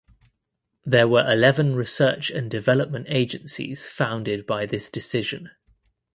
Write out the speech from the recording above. There were eleven research and development agencies founded by this Decision.